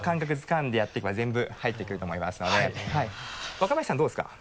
若林さんどうですか？